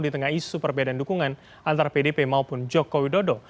di tengah isu perbedaan dukungan antara pdp maupun joko widodo